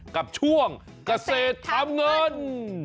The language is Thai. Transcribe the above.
กับช่วงเกษตรทำเงิน